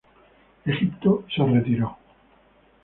Egipto se retiró.